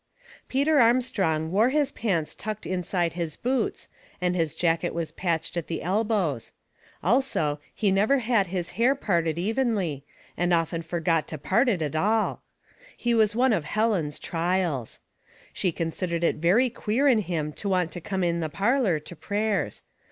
Peter Armstrong wore his pants tucked inside his boots, and his jacket was patched at the elbows; also, he never had his hair parted evenly, and often forgot to part it at all. He 30 Household Puzzles, was one of Helen's trials. She considered it very queer in him to want to come in the parlor to prayers.